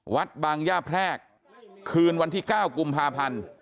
วัดบางย่าแพรกคืนวันที่๙กุมภาพันธ์